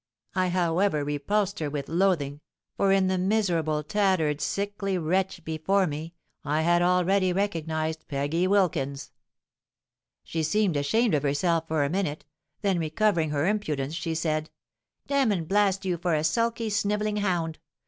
I however repulsed her with loathing; for in the miserable, tattered, sickly wretch before me, I had already recognised Peggy Wilkins. She seemed ashamed of herself for a minute; then, recovering her impudence, she said, 'Damn and blast you for a sulky, snivelling hound!